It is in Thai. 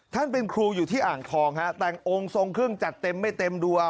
เป็นครูอยู่ที่อ่างทองฮะแต่งองค์ทรงเครื่องจัดเต็มไม่เต็มดวง